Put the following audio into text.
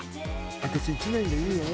「私１年でいいよ」